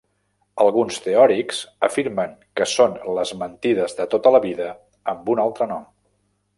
Alguns teòrics afirmen que són les mentides de tota la vida amb un altre nom.